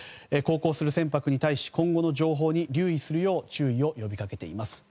航行する船舶に対し今後の情報に留意するよう注意を呼び掛けています。